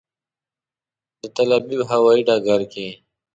د تل ابیب هوایي ډګر کې.